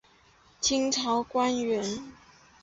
清朝官员。